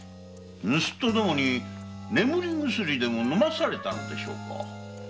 盗っ人どもに眠り薬でも飲まされたのでしょうか？